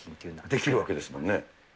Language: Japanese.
出来るわけですもんね。